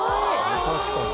確かに。